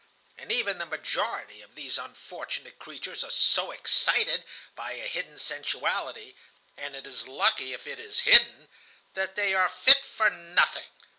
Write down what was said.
And even the majority of these unfortunate creatures are so excited by a hidden sensuality (and it is lucky if it is hidden) that they are fit for nothing.